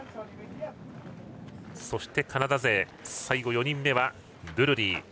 そしてカナダ勢、最後４人目はドゥルリー。